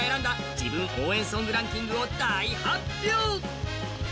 自分応援ソングランキングを大発表。